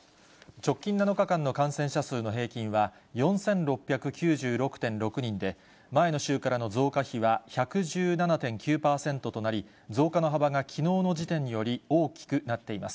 直近７日間の感染者数の平均は４６９６．６人で、前の週からの増加比は１１７．９％となり、増加の幅がきのうの時点より大きくなっています。